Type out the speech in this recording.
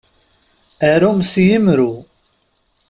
Arum s yimru.